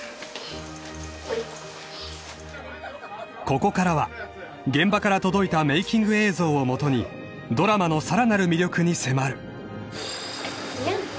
［ここからは現場から届いたメイキング映像をもとにドラマのさらなる魅力に迫る］